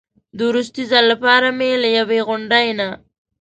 د وروستي ځل لپاره مې له یوې غونډۍ نه.